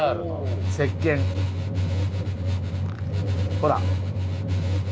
ほら！